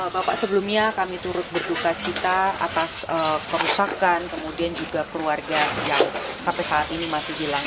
bapak sebelumnya kami turut berduka cita atas kerusakan kemudian juga keluarga yang sampai saat ini masih hilang